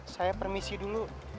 saya permisi dulu